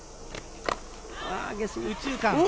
右中間。